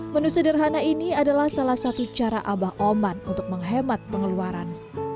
menu sederhana ini adalah salah satu cara abah oman untuk menghemat pengeluaran